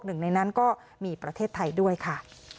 หนึ่งในนั้นก็มีประเทศไทยด้วยค่ะ